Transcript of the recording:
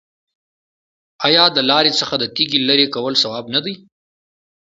آیا د لارې څخه د تیږې لرې کول ثواب نه دی؟